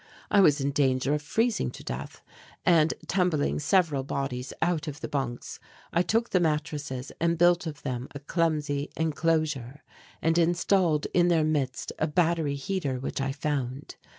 I was in danger of freezing to death and, tumbling several bodies out of the bunks, I took the mattresses and built of them a clumsy enclosure and installed in their midst a battery heater which I found.